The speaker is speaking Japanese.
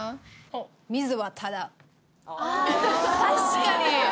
確かに！